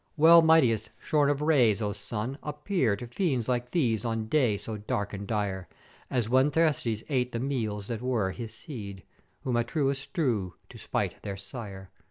"Well mightest shorn of rays, O Sun! appear to fiends like these on day so dark and dire; as when Thyestes ate the meats that were his seed, whom Atreus slew to spite their sire.